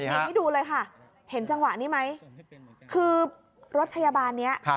นี่ให้ดูเลยค่ะเห็นจังหวะนี้ไหมคือรถพยาบาลนี้